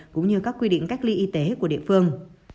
cũng như các quy định cách ly y tế của địa phương